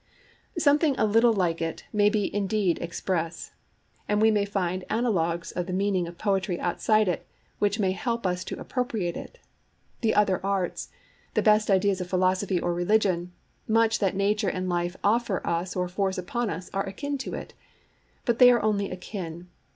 Something a little like it they may indeed express. And we may find analogues of the meaning of poetry outside it, which may help us to appropriate it. The other arts, the best ideas of philosophy or religion, much that nature and life offer us or force upon us, are akin to it. But they are only akin.